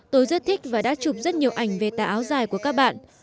tôi rất thích và đã chụp rất nhiều ảnh về tà áo dài của các bạn